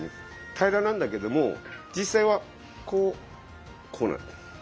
平らなんだけども実際はこうこうなってる。